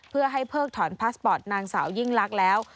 เพื่อให้เพิกถอนพาสปอร์ตนางสาวยิ่งลักษณ์แล้ว